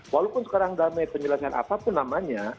walaupun sekarang damai penyelesaian apapun namanya